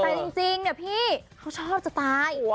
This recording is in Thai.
แต่จริงเนี่ยพี่เขาชอบจะตาย